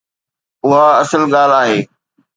اها اصل ڳالهه آهي.